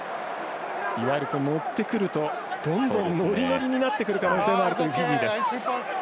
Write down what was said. いわゆる、乗ってくるとどんどんノリノリになってくる可能性もあるというフィジーです。